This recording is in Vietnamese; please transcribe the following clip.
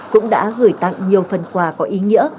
cũng đã gửi tặng nhiều phần quà có ý nghĩa